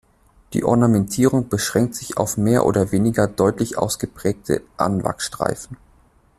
Die Ornamentierung beschränkt sich auf mehr oder weniger deutlich ausgeprägte Anwachsstreifen.